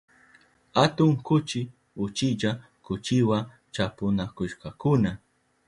Atun kuchi uchilla kuchiwa chapunakushkakuna.